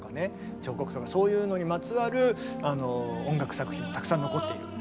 彫刻とかそういうのにまつわる音楽作品もたくさん残っている。